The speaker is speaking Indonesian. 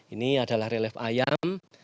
ini adalah relief ayam